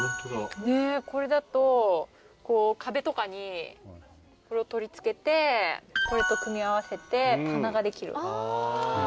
これだと壁とかにこれを取り付けてこれと組み合わせて棚が出来る。